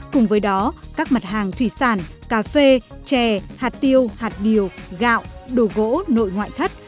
cùng với đó các mặt hàng thủy sản cà phê chè hạt tiêu hạt điều gạo đồ gỗ nội ngoại thất